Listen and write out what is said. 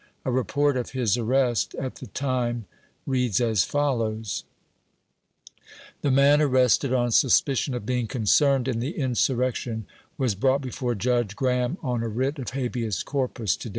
A report of his arrest at the time reads as follows: —" The man arnvted on t uspieinn of being concerned in the insurrection wab brought before Judge (trahaui on a writ of habeas corpus to day.